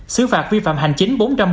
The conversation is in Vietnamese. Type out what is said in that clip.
xử phạt vi phạm hành chính